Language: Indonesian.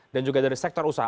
juga dari sektor usaha